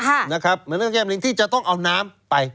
เหมือนกับแจ้มลิงที่จะต้องเอาน้ำไป